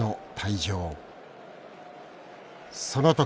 その時。